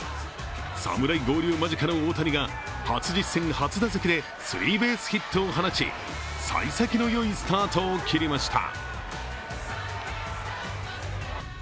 侍合流間近の大谷が初実戦初打席でスリーベースヒットを放ちさい先のよいスタートを切りました。